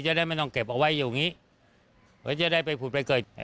จะได้ไม่ต้องเก็บเอาไว้อย่างงี้เพื่อจะได้ไปผุดไปเกิด